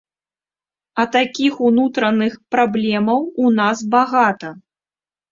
А такіх унутраных праблемаў у нас багата.